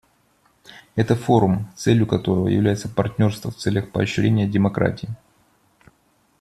Это форум, целью которого является партнерство в целях поощрения демократии.